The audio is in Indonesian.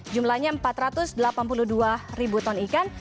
jumlahnya empat ratus delapan puluh dua ribu ton ikan